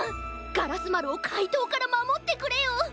ガラスまるをかいとうからまもってくれよ。